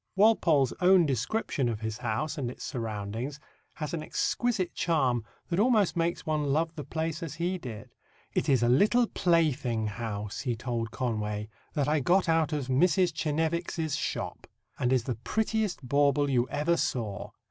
Walpole's own description of his house and its surroundings has an exquisite charm that almost makes one love the place as he did. "It is a little plaything house," he told Conway, "that I got out of Mrs. Chenevix's shop, and is the prettiest bauble you ever saw.